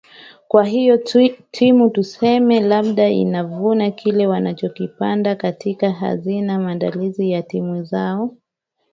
kwa hiyo timu tuseme labda wanavuna kile walichokipanda katika hazina maandalisi ya timu zao